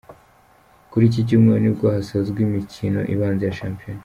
Kuri iki Cyumweru, nibwo hasozwa imikino ibanza ya shampiyona.